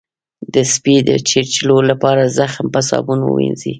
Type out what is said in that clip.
د سپي د چیچلو لپاره زخم په صابون ووینځئ